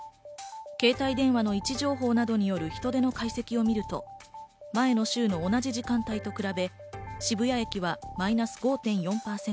携帯電話の位置情報などによる人出の解析を見ると、前の週の同じ時間帯と比べ、渋谷駅はマイナス５．４％。